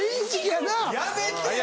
やめてよ！